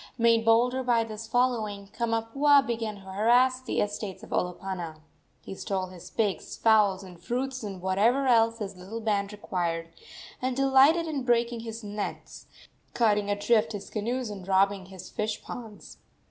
Made bolder by this following, Kamapuaa began to harass the estates of Olopana. He stole his pigs, fowls and fruits, and whatever else his little band required, and delighted in breaking his nets, cutting adrift his canoes and robbing his fish ponds.